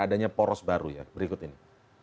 adanya poros baru ya berikut ini